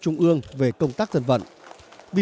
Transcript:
chúng tôi không có vấn đề